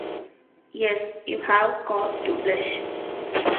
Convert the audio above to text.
Yes; you have cause to blush.